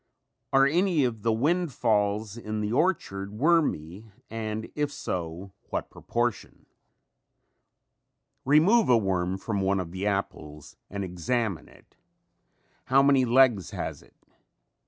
Are any of the windfalls in the orchard wormy and if so what proportion? Remove a worm from one of the apples and examine it. How many legs has it?